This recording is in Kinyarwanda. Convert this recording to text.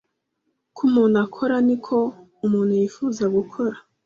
Uko umuntu akora, niko umuntu yifuza gukora